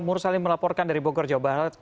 mursalim melaporkan dari bogor jawa barat